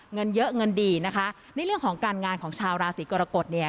เงินเยอะเงินดีนะคะในเรื่องของการงานของชาวราศีกรกฎเนี่ย